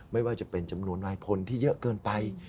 ไม่ว่าจะเป็นจำนวนนายพลที่เยอะเกินไป